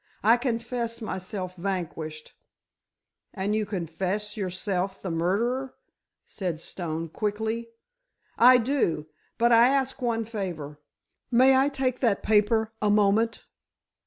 I confess myself vanquished——" "And you confess yourself the murderer?" said Stone, quickly. "I do, but I ask one favor. May I take that paper a moment?"